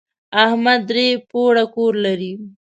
احمد درې پوړه کور لري.